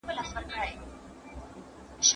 د هر نوي کار لپاره پلان جوړ کړئ.